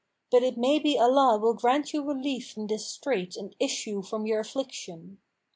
But it may be Allah will grant you relief from this strait and issue from your affliction."